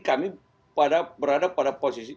kami berada pada